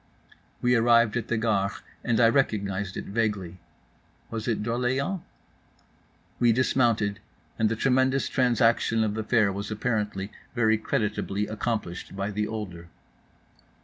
We arrived at the Gare, and I recognized it vaguely. Was it D'Orléans? We dismounted, and the tremendous transaction of the fare was apparently very creditably accomplished by the older.